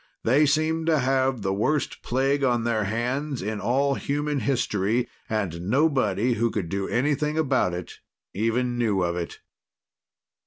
They seemed to have the worst plague on their hands in all human history; and nobody who could do anything about it even knew of it.